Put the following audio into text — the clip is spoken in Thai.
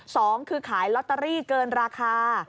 สองคือขายลอตเตอรี่เกินราคา